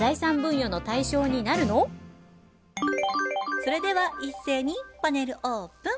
それでは一斉にパネルオープン。